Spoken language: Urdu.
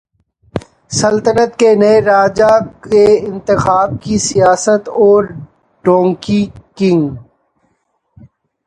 سلطنت کے نئے راجا کے انتخاب کی سیاست اور ڈونکی کنگ